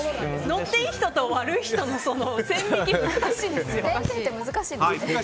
乗っていい人と悪い人の線引きが難しいんですよね。